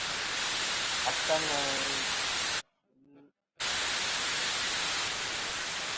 Akaŋa ghɨ i kuyniko'.